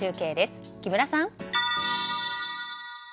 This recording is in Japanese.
中継です、木村さん。